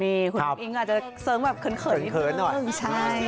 นี่คุณอุ้งอิ๊งอาจจะเสิร์งแบบเขินนิดนึง